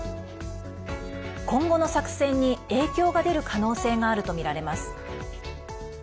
今後の作戦に影響が出る可能性があるとみられます。